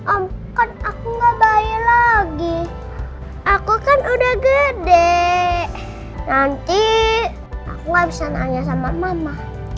om kan aku gak bayi lagi aku kan udah gede nanti aku websi nanya sama mama